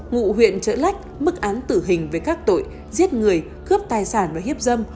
ngụ huyện trợ lách mức án tử hình về các tội giết người cướp tài sản và hiếp dâm